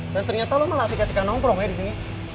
dan ternyata lo malah kasihkan omong omong aja disini